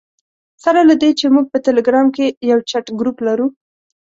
سره له دې چې موږ په ټلګرام کې یو چټ ګروپ لرو.